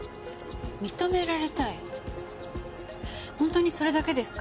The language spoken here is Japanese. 本当にそれだけですか？